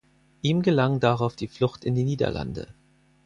Ihm gelang darauf die Flucht in die Niederlande.